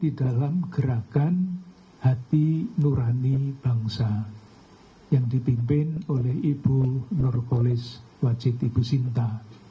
di dalam gerakan hati nurani bangsa yang dipimpin oleh ibu nurkolis wajit ibu sinta